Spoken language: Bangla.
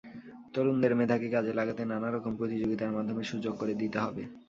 তরুণদের মেধাকে কাজে লাগাতে নানা রকম প্রতিযোগিতার মাধ্যমে সুযোগ করে দিতে হবে।